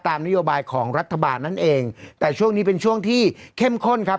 นโยบายของรัฐบาลนั่นเองแต่ช่วงนี้เป็นช่วงที่เข้มข้นครับ